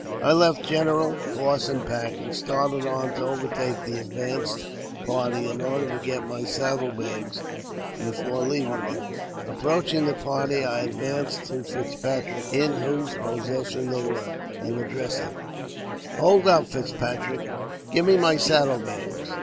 I left general, horse, and pack, and started on to overtake the advanced party, in order to get my sadde bags before leaving them. Approaching the party, I advanced to Fitz patrick (in whose possession they were) and addressed him :'' Hold up, Fitzpatrick ; give me my saddle bags.